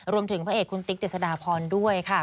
รวมถึงพระเอกคุณติ๊กเจสดาพรด้วยค่ะ